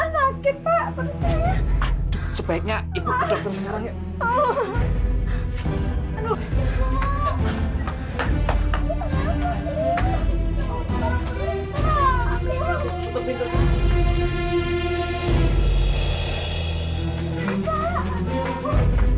sebaiknya ibu ke dokter sekarang ya